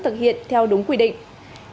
thực hiện theo đúng quy định